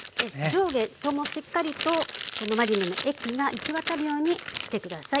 上下ともしっかりとこのマリネの液が行き渡るようにして下さい。